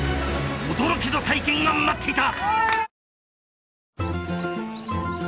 驚きの体験が待っていた！